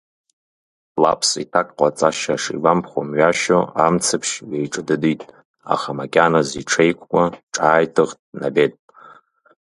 Ҭлаԥс иҭак ҟаҵашьа шигәамԥхо мҩашьо амцаԥшь ҩаиҿыдыдит, аха макьаназ иҽеиқәкуа, ҿааиҭыхт Набед.